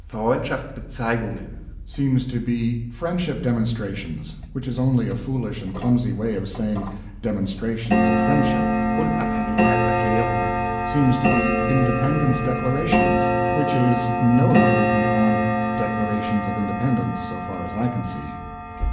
"Freundshaftsbezeigungen" seems to be "Friendship demonstrations," which is only a foolish and clumsy way of saying "demonstrations of friendship." "Unabhängigkeitserklärungen" seems to be "Independencedeclarations," which is no improvement upon "Declarations of Independence," so far as I can see.